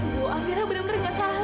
bu amira bener bener nggak salah liat